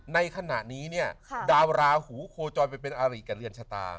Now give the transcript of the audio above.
ในขณะนี้เนี่ยดาวราหูโคจรไปเป็นอาริกับเรือนชะตา